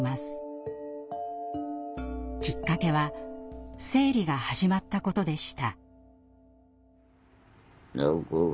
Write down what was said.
きっかけは生理が始まったことでした。